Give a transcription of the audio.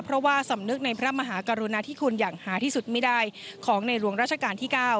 เพราะว่าสำนึกในพระมหากรุณาธิคุณอย่างหาที่สุดไม่ได้ของในหลวงราชการที่๙